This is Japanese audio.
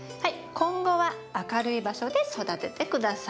今後は明るい場所で育てて下さい。